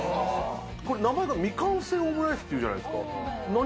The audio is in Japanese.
これ、名前が未完成オムライスって言うじゃないですか。